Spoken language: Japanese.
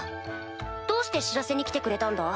どうして知らせに来てくれたんだ？